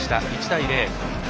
１対０。